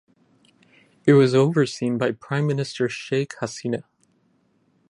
It was overseen by Prime Minister Sheikh Hasina.